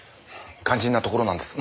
肝心なところなんです